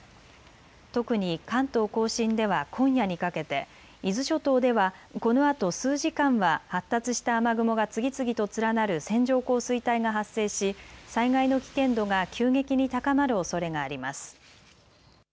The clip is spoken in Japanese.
特に関東甲信では今夜にかけて伊豆諸島ではこのあと数時間は発達した雨雲が次々と連なる線状降水帯が発生し災害の危険度が急激に高まるおそれがあります。